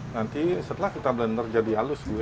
nanti setelah kita blender jadi halus bu ya